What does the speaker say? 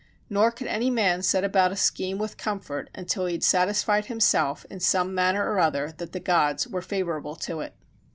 Nor could any man set about a scheme with comfort until he had satisfied himself in some manner or other that the gods were favorable to it.